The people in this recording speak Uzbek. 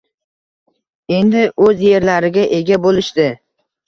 endi o‘z yerlariga ega bo‘lishdi.